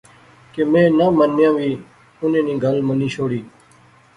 کہ میں ناں منیاں وی انیں نی گل منی شوڑی